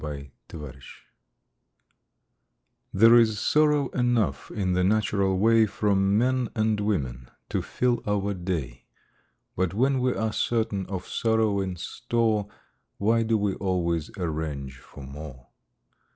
THE POWER OF THE DOG There is sorrow enough in the natural way From men and women to fill our day; But when we are certain of sorrow in store, Why do we always arrange for more?